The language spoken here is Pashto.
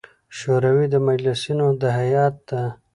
شوري د مجلسـینو د هیئـت د